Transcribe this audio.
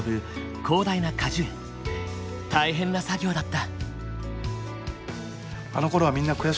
大変な作業だった。